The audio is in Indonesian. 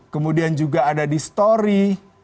kemudian juga ada di story